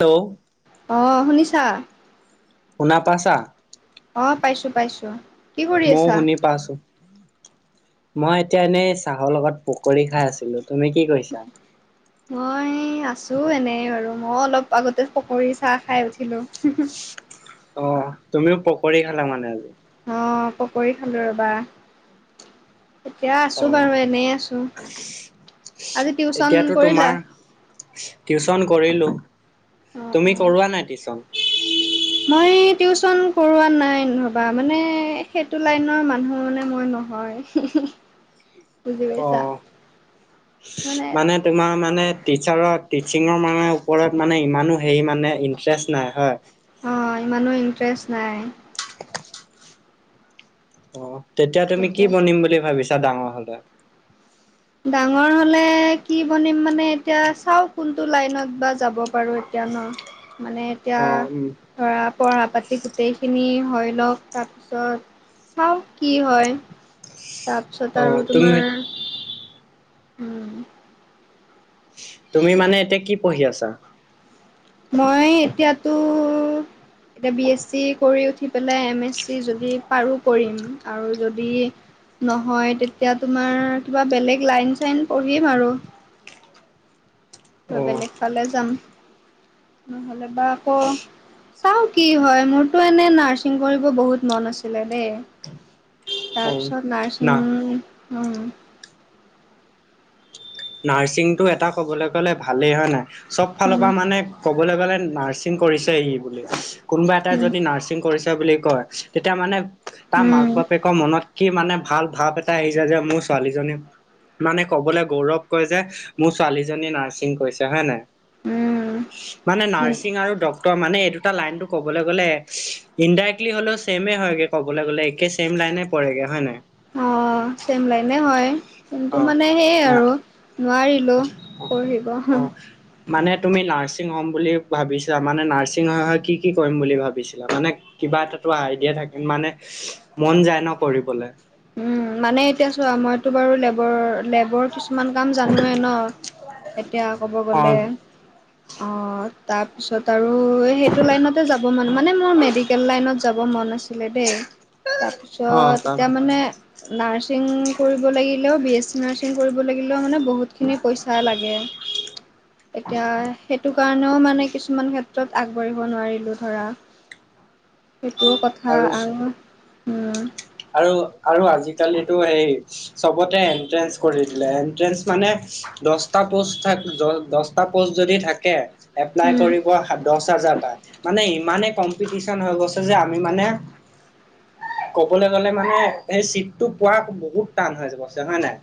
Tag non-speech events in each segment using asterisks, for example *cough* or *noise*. Hello! অঁ শুনিছা? শুনা পাইছা? অঁ পাইছো পাইছো। কি কৰি মইও আছা শুনি পাইছোঁ। মই এতিয়া এনেই চাহৰ লগত পকৰি খাই আছিলো। তুমি কি কৰিছা? মই আছো এনে আৰু মই অলপ আগতে পকৰি চাহ খাই উঠিলো। অ' তুমিও পকৰি খালা মানে আজি? অঁ পকৰি খালো ৰবা। এতিয়া আছো অ' বাৰু এনেই আছো। আজি টিউচন এতিয়াতো তোমাৰ কৰিলা? টিউচন কৰিলো। অ অ তুমি কৰোৱা নাই টিউচন? মই টিউচন কৰোৱা নাই ৰ'বা মানে, সেইটো লাইনৰ মানুহ মানে মই নহয়। বুজি পাইছা? অ' মানে তোমাৰ মানে টিচাৰত টিচিঙৰ মানে ওপৰত মানে ইমানো হেৰি মানে ইণ্টাৰেষ্ট নাই হয়? অঁ ইমানো ইণ্টাৰেষ্ট নাই। অ' তেতিয়া তুমি কি সেইটোৱে বনিম বুলি ভাবিছা ডাঙৰ হ'লে? ডাঙৰ হলে কি বনিম মানে এতিয়া চাও কোনটো লাইনত বা যাব পাৰো এতিয়া ন। মানে এতিয়া অ' উম। ধৰা পঢ়া পাতি গোটেইখিনি হয় লওক তাৰপিছত চাওঁ কি হয়, তাৰপিছত অ' আৰু তুমি তোমাৰ উম। তুমি মানে এতিয়া কি পঢ়ি আছা? মই এতিয়াতো এতিয়া বি এছ চি কৰি উঠি পেলাই এম এছ চি যদি পাৰো কৰিম আৰু যদি নহয় তেতিয়া তোমাৰ কিবা বেলেগ লাইন চাইন পঢ়িম আৰু। অ' বেলেগ ফালে যাম নহ'লে বা আকৌ চাওঁ কি হয় মোৰতো এনে নাৰ্ছিং কৰিব বহুত মন আছিলে দেই অ' তাৰপিছত না নাৰ্ছিং উম নাৰ্ছিংটো এটা ক'বলে গ'লে ভালেই হয় নহয় চব ফালৰ উম পৰা মানে কবলৈ গ'লে নাৰ্ছিং কৰিছে সি বুলি কোনোবা এটাই যদি নাৰ্ছিং কৰিছে বুলি কয় তেতিয়া মানে তাৰ মাক উম বাপেকৰ মনত কি মানে ভাল ভাৱ এটা এটা আহি যায় যে মোৰ ছোৱালীজনী মানে কবলৈ গৌৰৱ কয় যে মোৰ ছোৱালীজনী নাৰ্ছিং কৰিছে হয় নাই মানে উম নাৰ্ছিং আৰু ড তই মানে এই দুটা লাইনতটো ক'বলে গ'লে হো ইনডাইৰেক্টলি হ'লেও ছেমে হয়গে ক'বলে গ'লে একে ছেম লাইনে পৰেগে হয় নাই অহ চেইম লাইনে হয় কিন্তু মানে সেই আৰু নোৱাৰি অহ অহ মানে তুমি নাৰ্ছিং হ'ম বুলি ভাবিছা মানে নাৰ্ছিং হয় হয় কি কি কৰিম বুলি ভাবিছিলা মানে কিবা এটাতো আইডিয়া থাকে মানে মন যায় ন কৰিবলে উম মানে এতিয়া চোৱা মইতো বাৰু লেবৰ লেবৰ কিছুমান কাম জানোৱেই ন এতিয়া ক'ব গ'লে উম। অহ তাৰপিছত আৰু এই সেইটো লাইনতে যাব মন মানে মোৰ মেডিকেল লাইনত যাব মন আছে আছিলে দেই অ' তাৰপিছত তাত এতিয়া মানে নাৰ্ছিং কৰিব লাগিলেও বিএছি নাৰ্ছিং কৰিব লাগিলেও মানে বহুত খিনি পইচা লাগে এতিয়া সেইটো কাৰণেও মানে কিছুমান ক্ষেত্ৰত আগবাঢ়িব নোৱাৰিলো ধৰা সেইটো কথা আৰু উম, আৰু আৰু আজিকালিতো সেই চবতে এন্ট্ৰেন্ঞ্চ কৰি দিলে এনট্ৰেন্ঞ্চ মানে দচটা পোষ্ট থ দচটা পোষ্ট যদি থাকে এপ্লাই উম, কৰিব দহ হাজাৰটা মানে ইমানে কম্পিটিছন হৈ গৈছে যে আমি মানে ক'বলৈ গলে মানে সেই চিটটো পোৱা বহুত টান হৈ এতিয়া হয় নাই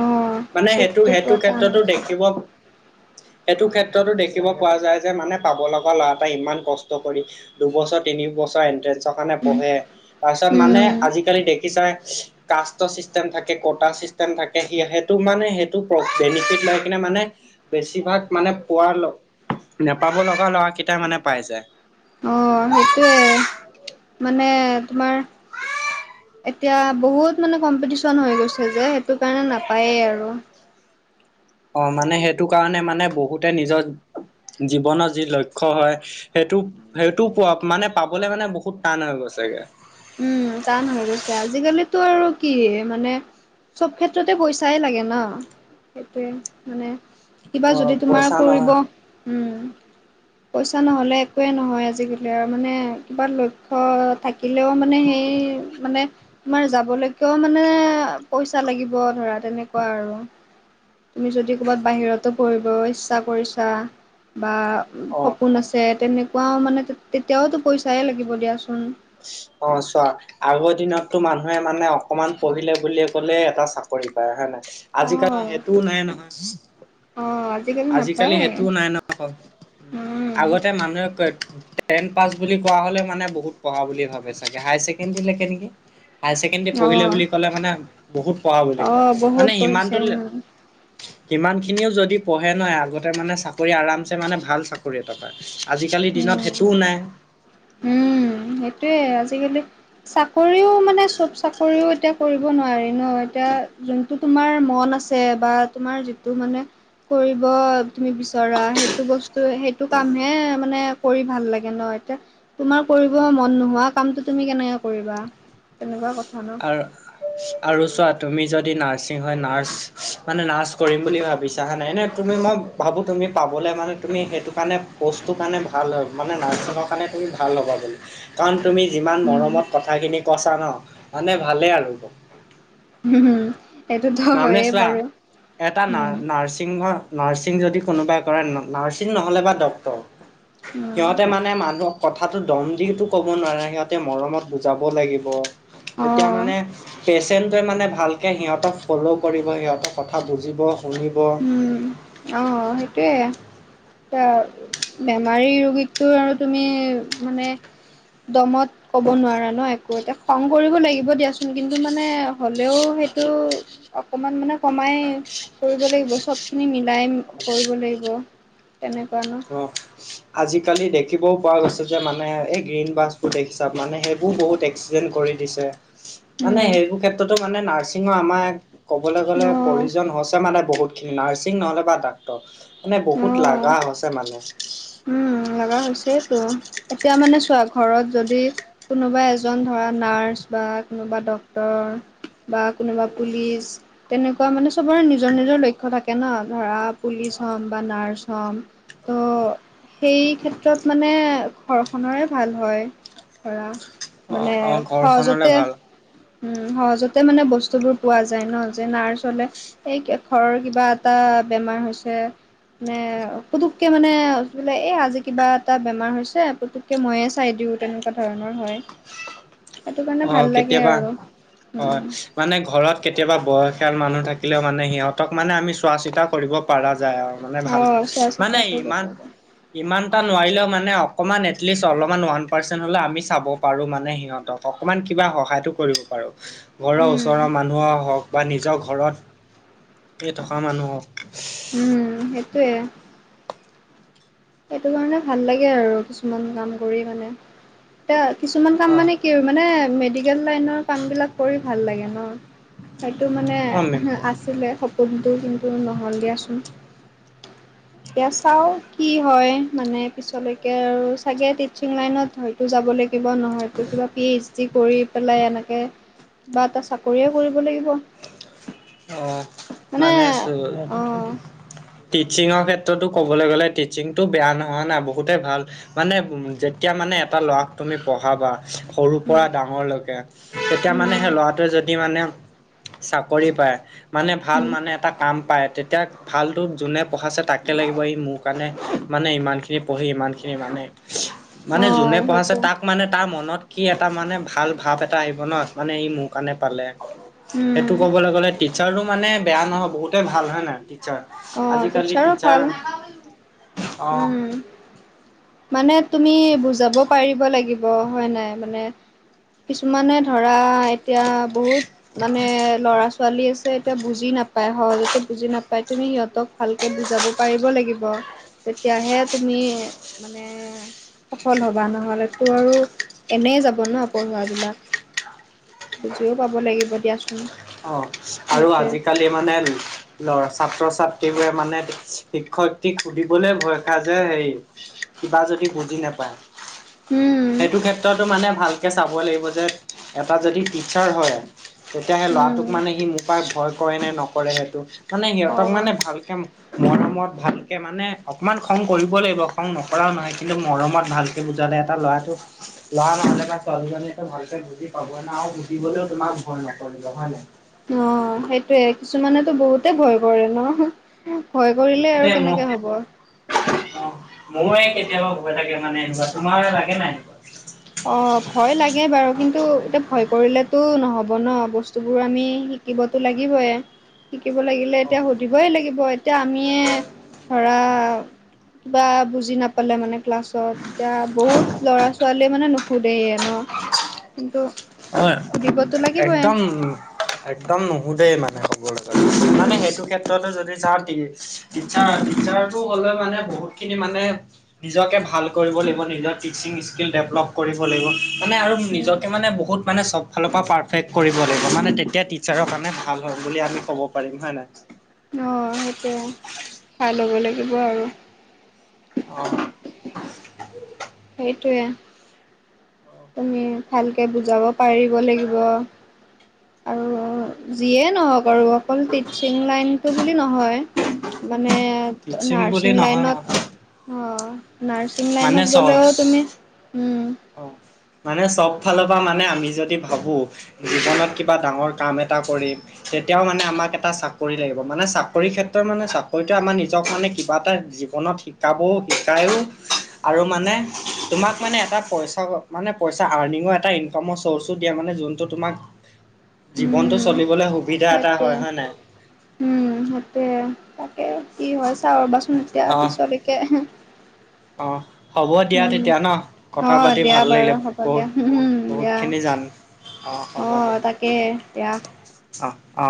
অ', মানে সেইটো চিটটো সেইটো পোৱা টান ক্ষেত্ৰতো হৈছে। দেখিব সেইটো ক্ষেত্ৰতো দেখিব পোৱা যায় যে মানে পাব লগা ল'ৰা‌এটোই ইমান কষ্ট কৰি দুবছৰ তিনিবছৰ এন্ট্ৰেঞ্চৰ কাৰণে উম, পঢ়ে তাৰ পিছত মানে উম, আজিকালি দেখিছাই কাষ্টত চিষ্টেম থাকে কটা চিষ্টেম থাকে সে সেইটো মানে সেইটো অ মাঁ বেনিফিট লৈ কিনে মানে বেছিভাগ মানে পোৱা নোপাব লগা ল'ৰা কেইটাই মানে পায় যায় অহ সেইটোয়ে মানে তোমাৰ এতিয়া বহুত মানে কম্পিটিশ্যন হৈ গৈছে যে সেইটো কাৰণে নাপায়েই আৰু অহ মানে সেইটো কাৰণে মানে বহুতে নিজৰ জীৱনৰ যি লক্ষ্য হয় সেইটো সেইটো পোৱা মানে পাবলে মানে বহুত টান হৈ গৈছেগে উম টান হৈ গৈছে আজিকালিতো আৰু কি মানে চব ক্ষেত্ৰতে পইচাই লাগে ন সেইটোৱে মানে কিবা অ যদি তোমাৰ পইচা নহয় কৰিব উম পইচা নহ'লে একোৱে নহয় আজিকালি আৰু মানে কিবা লক্ষ্য থাকি সেইফালেও মানে সেই মানে তোমাৰ যাব লৈকেও মানে পইচা লাগিব ধৰা তেনেকুৱা আৰু তুমি যদি ক'বাত বাহিৰতো পঢ়িব ইচ্ছা কৰিছা বা অ', সপোন আছে তেনেকুৱাও মানে তেতিয়াওতো পইচাই লাগিব দিয়াচোন অ চোৱা আগৰ দিনতো মানুহে মানে অকমান পঢ়িলে বুল কলে এটা চাকৰি পায় হয় নে নাই অ আজিকাল সেইটোও নাই নহয়। অ আজিকালি সেইটোও নাই নহ উম আগতে মানুহে কয় টেন পাছ বুলি কোৱা হলে মানে বহুত পঢ়া বুলি ভাবে চাগে হায় ছেকেণ্ডৰী লকে নেকি। হায়াৰ ছেকেণ্ডেৰী অ পঢ়িলে বুলি' কলে মানে বহুত পঢ়া বুলি অ কয় বহুত মানে পঢ়িছে সিমানটো উম সিমান খিনিও যদি পঢ়ে নহয় আগতে মানে চাকৰি আৰামছে মানে ভাল চাকৰি এটা আজিকালিৰ দিনত উম সেইটোও নাই। উম সেইটোৱে আজিকালি চাকৰিও মানে চব চাকৰিও এতিয়া কৰিব নোৱাৰি ন এতিয়া যোন যিটো তোমাৰ মন আছে বা তোমাৰ যিটো মানে কৰিব তুমি বিচৰা সেইটো বস্তু ত সেইটো কামহে মানে কৰি ভাল লাগে ন এতিয়া তোমাৰ কৰিব অ', মন নোহোৱা কামটো তুমি কেনেকে কৰিবা তেনেকুৱা কথা ন আৰু আৰু চোৱা তুমি যদি নাৰ্ছিং হয় নাৰ্চ মানে নাৰ্চ কৰিম বুলি ভাবিছা হে নাই এনে তুমি মই ভাবোঁ তুমি পাবলৈ মানে তুমি সেইটো কাৰণে প'ষ্টটো কাৰণে ভাল হয় মানে নাৰ্ছিঙৰ কাৰণে তুমি ভাল হ'বা বুলি কাৰণ তুমি যিমান উম মৰমত কথাখিনি কছা ন মানে ভালেই আৰু হুম হুম মানে চোৱা এটা ন উম নাৰ্ছিঙৰ নাৰ্ছিং যদি কোনোবাই কৰে নাৰ্ছিং নহ'লে বা ডক্টৰ উম সিহঁতে মানে মানুহ কথাতটো দম দি ক'ব নোৱাৰে সিহঁতে মৰমত বুজাব লাগিব অ তেতিয়া মানে পেচেন্টোৱে মানে ভালকে সিহঁতক ফ'ল' কৰিব সিহঁতক কথা বুজিব শুনিব উম অ সেইটোৱে এ বেমাৰী ৰোগীকটো আৰু তুমি মানে দমত ক'ব নোৱাৰা ন একো এতিয়া খং কৰিব লাগিব দিয়াচোন কিন্তু মানে হলেও সেইটো অকমান মানে কমাই কৰিব লাগিব চব খিনি মিলাই কৰিব লাগিব তেনেকুৱা ন অ'ফ আজিকালি দেখিবও পোৱা গৈছে যে মানে এই গ্ৰীণ বাছবোৰ দেখিছা মানে সেইবোৰ বহুত একস কৰি দিছে। মানে উম সেইবোৰ ক্ষেত্ৰতো মানে নাৰ্ছিঙৰ আমাৰ কবলৈ গলে পৰি হৈছে মানে বহুত খিনি নাৰ্ছিং নহলে বা ডাক্তৰ মানে অ বহুত অ লগা হৈছে মানে। উম লগা হৈছেতো এতিয়া মানে চোৱা ঘৰত যদি কোনোবা এজন ধৰা নাৰ্চ বা কোনোবা ডক্তৰ বা কোনোবা পুলিচ তেনেকুৱা মানে চবৰে নিজৰ নিজৰ লক্ষ্য থাকে ন ধৰা পুলিচ হ'ম বা নাৰ্চ হ'ম অঁ সেই ক্ষেত্ৰত মানে ঘৰখন ৰে ভাল হয় ধৰা অ মানে অ ঘৰখনলে সহজতে ভাল উম সহজতে মানে বস্তুবোৰ পোৱা যায় ন যে নাৰ্চ হলে এই ঘৰৰ কিবা এটা বেমাৰ হৈছে মানে পুতুককে মানে বোলে এই আজি কিবা এটা বেমাৰ হৈছে পুতুককে ময়ে চাই দিওঁ তেনেকুৱা ধৰণৰ হয়। সেইটো কাৰণে অ ভাল লাগে কেতিয়াবা আৰু উম হয়, উম। মানে ঘৰত কেতিয়াবা বয়সীয়াল মানুহ থাকিলেও মানে সিহঁতক মানে আমি চোৱা চিতা কৰিব পৰা যায় আৰু। মানে ভালকে অ', চোৱা মানে চিতা কৰিব ইমান পাৰে - ইমান এটা নোৱাৰিলেও মানে অকণমান এটলিষ্ট অলপমান ওৱান পাৰ্চেণ্ট হ'লেও আমি চাব পাৰোঁ মানে সিহঁতক। অকমান কিবা সহায়তো কৰিব পাৰো ঘৰৰ উম, ওচৰৰ - মানুহ হওক বা নিজৰ ঘৰত থকা মানুহ হওক। উম সেইটোৱে। সেইটো কাৰণে ভাল লাগে আৰু কিছুমান কাম কৰি মানে এয়া কিছুমান কাম অ', মানে কি আৰু - মানে মেডিকেল লাইনৰ কামবিলাক কৰি ভাল ন সেইটো মানে- অ', মেম আছিলে সপোনটো কিন্তু নহ'ল দিয়াচোন। এতিয়া চাও - কি হয় মানে পিছলৈকে আৰু চাগে টিচিং লাইনত ধৰিম। তো যাবলে কিবা নহয় তোৰ কিবা পিজ জি কৰি পেলাই এনেকে বা এটা চাকৰিয়ে কৰিব লাগিব। অ মানে চোওক অ', - টিচিংৰ ক্ষেত্ৰতো ক'বলে গ'লে টিচিংটো বেয়া নহয়, হয় নাই বহুতে ভাল - মানে উ যেতিয়া মানে এটা ল'ৰাক তুমি পঢ়াবা - সৰু উম, পৰা ডাঙৰলৈকে তেতিয়া মানে উম, সেই ল'ৰাটোৱে যদি মানে চাকৰি পায় - মানে ভাল উম, মানে এটা কাম পায় তে - এতিয়া ভালটো যোনে পঢ়াছে তাকে লাগিব এই মোৰ কাৰণে মানে ইমানখিনি পঢ়ি ইমানখিনি মানে - *unintelligible* মানে অ', যোনে পঢ়াছে সেইটো তাক মানে তাৰ মনত - কি এটা মানে ভাল ভাৱ এটা আহিব ন মানে ই মোৰ কাৰণে পালে। সেইটো উম, কবলে গ'লে টিচাৰ‌ও মানে বেয়া নহয় বহুতে ভাল হয় নাই টিচাৰ। অ আজিকালি টিচাৰো ভাল, টিচাৰ অ', উম। মানে তুমি বুজাব পাৰিব লাগিব হয় নাই মানে - কিছুমানে ধৰা এতিয়া বহুত মানে ল'ৰা-ছোৱালী - ছোৱালী আছে এতিয়া বুজি নাপায় সহজতে বুজি নাপায় - তুমি সিহঁতক ভালকে বুজাব পাৰিব লাগিব তেতিয়াহে তুমি মানে - সফল হ'বা নহলেতো আৰু এনে যাব ন', পঢ়ুৱা বিলাক। বুজিও পাব লাগিব দিয়াচোন। অ', আৰু সেইটোৱে আজিকালি মানে - ল'ৰা, ছাত্ৰ-ছাত্ৰীবোৰে মানে শিক্ষয়েত্ৰিক সুধিবলৈ ভয় খাই যে হেৰি - কিবা যদি বুজি নাপায়, উম সেইটো ক্ষেত্ৰতো মানে ভাল - এতিয়া চাব‌ই লাগিব যে এটা যদি টিচাৰ হয়, তেতিয়াহে ল'ৰাটোক উম মানে সি মোৰ পৰা ভয় - কৰে নে নকৰে সেইটো মানে অ সিহঁতক মানে ভালকে - মৰমত ভালকে, মানে অকমান খং কৰিব লাগিব খং নকৰাও নহয় কিন্তু মৰমত ভালকে - বুজালে এটা ল'ৰাটো - ল'ৰা নহ'লে বা ছোৱালীজনী ভালকে বুজি পাব না আৰু সুধিবলেও তোমাক ভয় নকৰিব হয় নাই? অ সেইটোৱে কিছুমানেতো বহুতে ভয় কৰে ন? ভয় কৰিলে বহুতে আৰু মোক কেনেকে হব? অ', মোৰে কেতিয়াবা ভয় লাগে মানে এনেকুৱা। তোমাৰ লাগে নাই? অ', ভয় লাগে বাৰু কিন্তু এতিয়া ভয় কৰিলেতো নহ'ব ন' বস্তুবোৰ আমি শি - শিকিবতো লাগিবয়ে, শিকিব লাগিলে অ এতিয়া সু - ধিবই লাগিব, এতিয়া আমিয়ে ধৰা - কিবা বুজি নাপালে মানে ক্লাছত, এতিয়া বহুত ল'ৰা ছোৱালীয়ে মানে নুশুধেয়ে ন'। কিন্তু হয়, সুধিবতো লাগিবই একদম। একদম নুশুদেই মানে, কবলে গ'লে মানে উম। সেইটো ক্ষেত্ৰতে যদি চাওঁ তিচাৰ, তিচাৰটো হলে মানে বহুত খিনি মানে নিজকে ভাল কৰিব লাগিব নিজৰ টিচিং স্কিল ডেভলপ কৰিব লাগিব মানে আৰু নিজকে মানে বহুত মানে ছব ফালৰ পৰা পাৰ্ফেক্ট কৰিব লাগিব, মানে তেতিয়া ত্ৰিচাৰ কাৰণে ভাল হ'ব বুলি আমি মানে কব পাৰিম হয় নাই? অ', সেইটোৱে খাই ল'ব লাগিব আৰু অ'। সেইটোয়ে। তুমি ভালকে বুজাব পাৰিব লাগিব। আৰু যিয়েই নওক *unintelligible* অকল টিচিং লাইনটো বুলি নহয় মানে টিচিং বুলি নাৰ্চিং নহয় লাইনত অ', নাৰ্ছিং মানে লাইনত গ'লেও চ তুমি, উম। অ' মানে চব ফালৰ পৰা মানে আমি যদি ভাবো জীৱনত কিবা ডাঙৰ কাম এটা কৰিম তেতিয়াও মানে আমাক এটা চাকৰি লাগিব, মানে চাকৰি ক্ষেত্ৰত মানে চাকৰিটোৱে আমাৰ নিজক মানে এনেকোৱা এটা জীৱনত শিকাবও, শিকাইও আৰু মানে তোমাক মানে এটা পইচা মানে পইচা আৰ্নিঙৰ এটা ইনকামৰ চৰ্চো দিয়ে, মানে যোনটো তোমাক জীৱনটো উম চলিবলে সুখ সেইটোৱে, উম, সেইটোয়ে তাকে কি হয় চাও ৰবাচুন, এতিয়া অ' পিছলৈকে অ' হ'ব দিয়া উম, তেতিয়া ন কথা অ' পাতি দিয়া ভাল বাৰু লাগিলে হ'ব বহুত দিয়া, হোম হোম দিয়া। বহুতখিনি জান হ'ব অ', দিয়া তাকে দিয়া। অ', অ